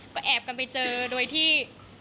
ก็แอบกันไปเจอโดยที่